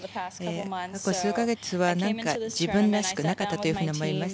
ここ数か月は自分らしくなかったと思います。